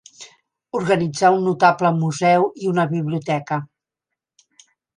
Organitzà un notable museu i una biblioteca.